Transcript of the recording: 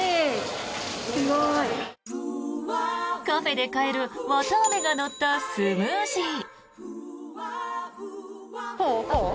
カフェで買える綿あめが乗ったスムージー。